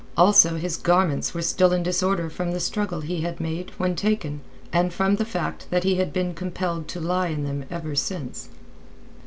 Also his garments were still in disorder from the struggle he had made when taken, and from the fact that he had been compelled to lie in them ever since.